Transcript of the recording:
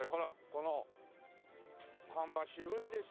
この看板渋いでしょ。